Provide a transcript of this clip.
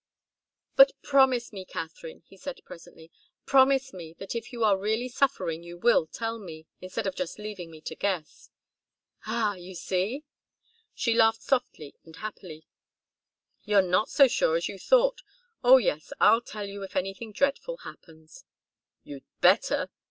"But promise me, Katharine," he said, presently, "promise me that if you are really suffering you will tell me, instead of just leaving me to guess." "Ah you see!" She laughed softly and happily. "You're not so sure as you thought! Oh, yes I'll tell you if anything dreadful happens." "You'd better!"